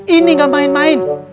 ini gak main main